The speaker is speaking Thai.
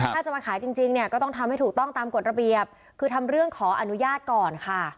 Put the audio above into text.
ถ้าจะมาขายจริงเนี่ยก็ต้องทำให้ถูกต้องตามกฎระเบียบคือทำเรื่องขออนุญาตก่อนค่ะ